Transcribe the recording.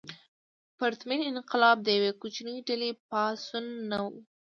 پرتمین انقلاب د یوې کوچنۍ ډلې پاڅون نه و.